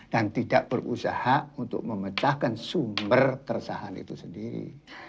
dan tidak berusaha untuk memecahkan sumber keresahan itu sendiri